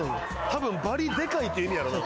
多分バリでかいっていう意味やろうな。